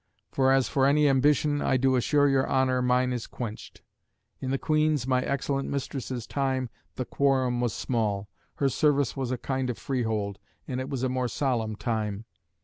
For as for any ambition, I do assure your Honour, mine is quenched. In the Queen's, my excellent Mistress's, time the quorum was small: her service was a kind of freehold, and it was a more solemn time.